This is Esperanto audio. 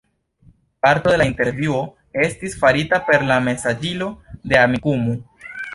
Parto de la intervjuo estis farita per la mesaĝilo de Amikumu.